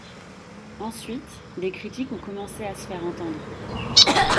Ensuite, des critiques ont commencé à se faire entendre.